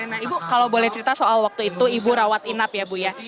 nah ibu kalau boleh cerita soal waktu itu ibu rawat inap ya bu ya